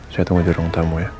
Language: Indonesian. saya tunggu di ruang tamu ya